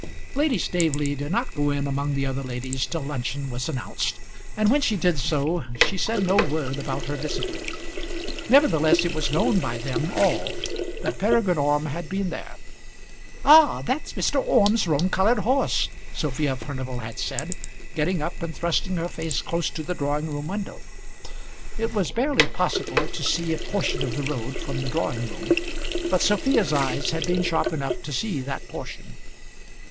Lady Staveley did not go in among the other ladies till luncheon was announced, and when she did so, she said no word about her visitor. Nevertheless it was known by them all that Peregrine Orme had been there. "Ah, that's Mr. Orme's roan coloured horse," Sophia Furnival had said, getting up and thrusting her face close to the drawing room window. It was barely possible to see a portion of the road from the drawing room; but Sophia's eyes had been sharp enough to see that portion.